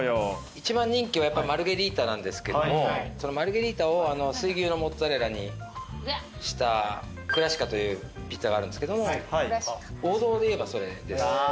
一番人気はやっぱマルゲリータなんですけどもマルゲリータを水牛のモッツァレラにしたクラシカというピッツァがあるんですけども王道でいえばそれです。